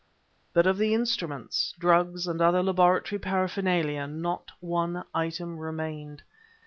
But of the instruments, drugs and other laboratory paraphernalia not one item remained.